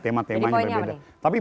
jadi poinnya apa nih